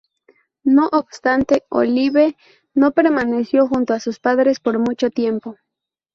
No obstante, Olive no permaneció junto a sus padres por mucho tiempo.